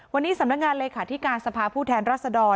วันนี้สำนักงานเลขาธิการสภาผู้แทนรัศดร